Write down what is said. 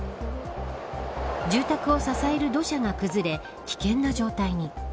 住宅を支える土砂が崩れ危険な状態に。